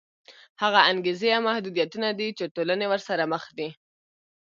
هغه انګېزې او محدودیتونه دي چې ټولنې ورسره مخ دي.